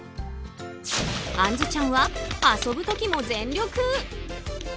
あんずちゃんは遊ぶ時も全力。